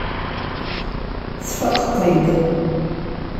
Tesfaqeḍ-t-id.